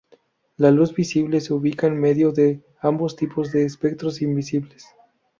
La Luz visible se ubica en medio de ambos tipos de "espectros invisibles".